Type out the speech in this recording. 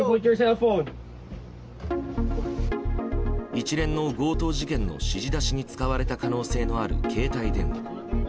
一連の強盗事件の指示出しに使われた可能性のある携帯電話。